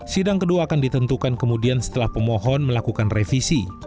sidang kedua akan ditentukan kemudian setelah pemohon melakukan revisi